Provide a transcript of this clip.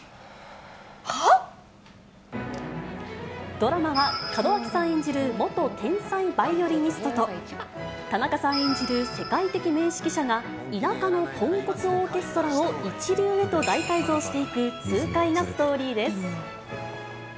ドラマは、門脇さん演じる元天才バイオリニストと、田中さん演じる世界的名指揮者が、田舎のポンコツオーケストラを一流へと大改造していく痛快なストーリーです。